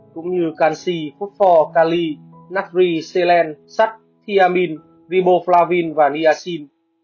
cũng như canxi phốt pho cali natri selen sắt thiamin riboflavin và niacin